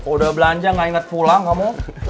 udah belanja gak inget pulang kamu